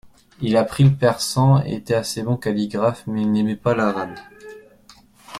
Il apprit le persan et était assez bon calligraphe, mais il n'aimait pas l'arabe.